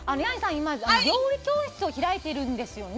今料理教室を開いているんですよね